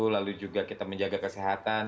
lalu juga kita menjaga kesehatan